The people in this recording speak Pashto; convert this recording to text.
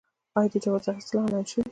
آیا د جواز اخیستل آنلاین شوي؟